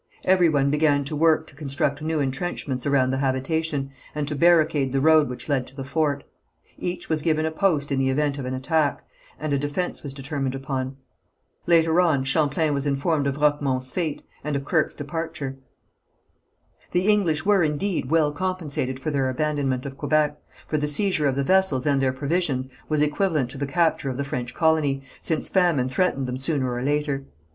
Every one began to work to construct new intrenchments around the habitation, and to barricade the road which led to the fort. Each was given a post in the event of an attack, and a defence was determined upon. Later on Champlain was informed of Roquemont's fate and of Kirke's departure. The English were, indeed, well compensated for their abandonment of Quebec, for the seizure of the vessels and their provisions was equivalent to the capture of the French colony, since famine threatened them sooner or later.